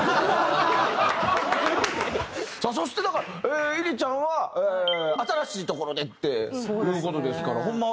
そしてだからｉｒｉちゃんは新しいところでっていう事ですからホンマ